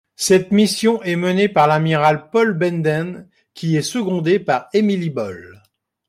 Cette mission est menée par l'amiral Paul Benden qui est secondé par Emily Boll.